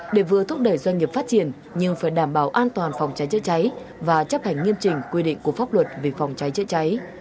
để vừa thúc đẩy doanh nghiệp phát triển nhưng phải đảm bảo an toàn phòng cháy chữa cháy và chấp hành nghiêm trình quy định của pháp luật về phòng cháy chữa cháy